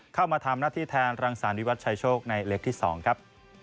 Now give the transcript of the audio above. เข้ามาทำหน้าที่แทนรังสารวิวัตรชายโชคในเล็กที่๒ครับ